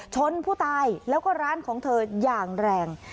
ชนผู้ตายแล้วก็ร้านของเธออย่างแรง